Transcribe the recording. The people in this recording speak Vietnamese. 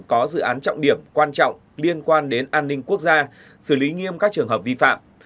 có dự án trọng điểm quan trọng liên quan đến an ninh quốc gia xử lý nghiêm các trường hợp vi phạm